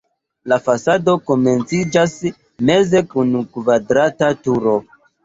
La fasado komenciĝas meze kun kvadrata turo.